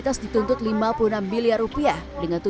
yang selang ini